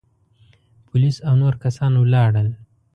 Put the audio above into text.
پوليس او نور کسان ولاړل.